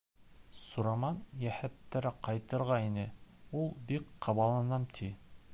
Сураман, йәһәтерәк ҡайтырға ине, ул, бик ҡабаланам, ти.